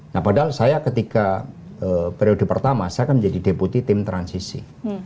nah padahal saya ketika periode pertama saya akan menjadi deputi tim transisi